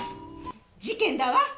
事件だわ。